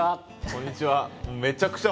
こんにちは。